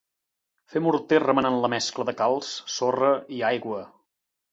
Fer morter remenant la mescla de calç, sorra i aigua.